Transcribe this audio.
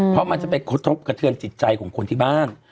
เพราะมันจะไปกระทบกระเทือนจิตใจของคนที่บ้าน